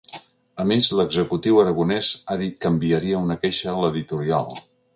A més, l’executiu aragonès ha dit que enviaria una queixa a l’editorial.